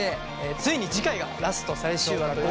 ついに次回がラスト最終話ということです。